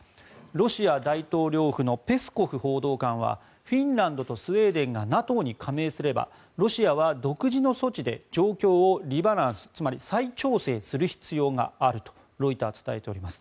ロシア大統領府のペスコフ報道官はフィンランドとスウェーデンがＮＡＴＯに加盟すればロシアは独自の措置で状況をリバランスつまり再調整する必要があるとロイターは伝えています。